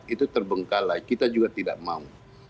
itu terbengkalai kita juga tidak mau